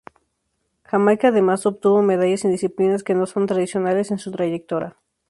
Jamaica además obtuvo medallas en disciplinas que no son tradicionales en su trayectoria.